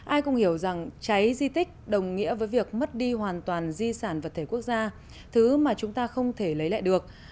ai cũng hiểu rằng cháy di tích đồng nghĩa với việc mất đi hoàn toàn di sản vật thể quốc gia thứ mà chúng ta không thể lấy lại được